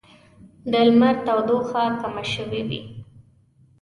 د لمر تودوخه کمه شوې وي